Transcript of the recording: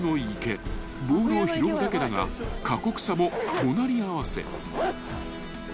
［ボールを拾うだけだが過酷さも隣り合わせ］